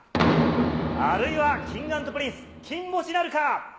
あるいはＫｉｎｇ＆Ｐｒｉｎｃｅ、金星なるか。